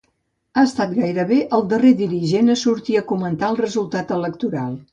Ha estat gairebé el darrer dirigent a sortir a comentar el resultat electoral.